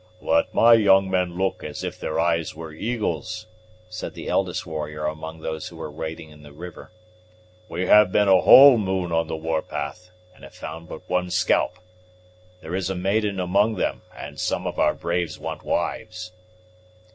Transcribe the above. "Let my young men look as if their eyes were eagles'," said the eldest warrior among those who were wading in the river. "We have been a whole moon on the war path, and have found but one scalp. There is a maiden among them, and some of our braves want wives."